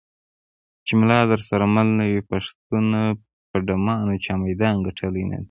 چې ملا درسره مل نه وي پښتونه په ډمانو چا میدان ګټلی نه دی.